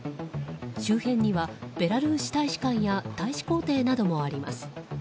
周辺にはベラルーシ大使館や大使公邸などもあります。